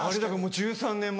１３年前。